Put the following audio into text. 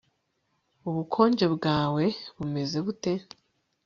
ubukonje bwawe bumeze bute